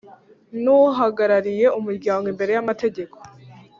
n uhagarariye Umuryango imbere y amategeko